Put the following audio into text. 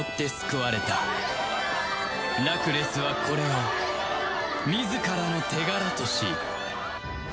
ラクレスはこれを自らの手柄とし